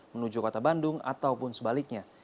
menuju kota bandung ataupun sebaliknya